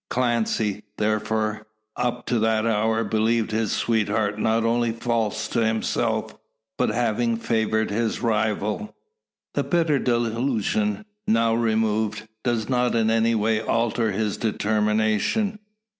Clancy, therefore, up to that hour, believed his sweetheart not only false to himself, but having favoured his rival. The bitter delusion, now removed, does not in any way alter his determination.